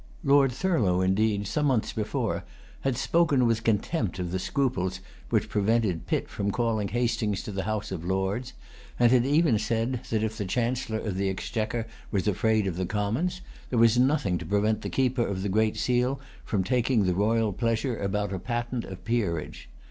Lord Thurlow, indeed, some months before, had spoken with contempt of the scruples which prevented Pitt from calling Hastings to the House of Lords; and had even said, that if the Chancellor of the Exchequer was afraid of the Commons, there was nothing to prevent the Keeper of the Great Seal from taking the royal pleasure about a patent of peerage.